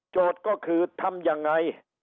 โจทย์ก็คือทำยังไง